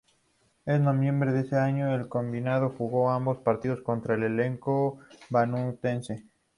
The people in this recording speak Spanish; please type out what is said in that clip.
En noviembre de ese año el combinado jugó ambos partidos contra el elenco vanuatuense.